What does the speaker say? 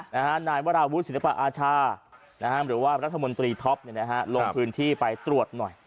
นายวราวุฒิศิลปะอาชาหรือว่ารัฐมนตรีท็อปลงพื้นที่ไปตรวจหน่อย